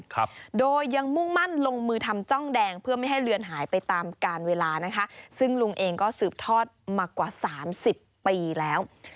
ครับโดยยังมุ่งมั่นลงมือทำจ้องแดงเพื่อไม่ให้เลือนหายไปตามการเวลานะคะซึ่งลุงเองก็สืบทอดมากว่าสามสิบปีแล้ว